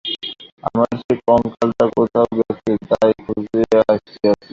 আমার সেই কঙ্কালটা কোথায় গেছে তাই খুঁজিতে আসিয়াছি।